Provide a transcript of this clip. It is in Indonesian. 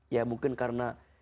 ya mungkin karena